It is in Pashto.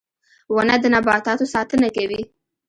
• ونه د نباتاتو ساتنه کوي.